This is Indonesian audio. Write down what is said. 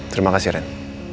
terima kasih ren